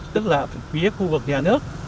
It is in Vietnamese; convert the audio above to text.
tức là phần phía khu vực nhà nước